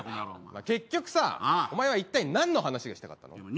結局さお前はいったい何の話がしたかったの？